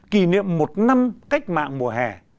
kỷ niệm một năm cách mạng mùa hè